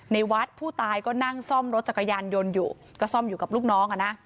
ในวัดผู้ตายก็นั่งซ่อมรถจักรยานยนต์อยู่ก็ซ่อมอยู่กับลูกน้องอ่ะนะ